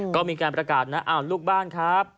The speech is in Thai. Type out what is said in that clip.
ก็มีการประกาศนะลูกบ้านครับ